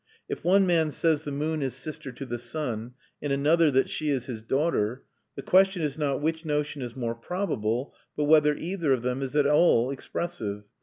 If one man says the moon is sister to the sun, and another that she is his daughter, the question is not which notion is more probable, but whether either of them is at all expressive.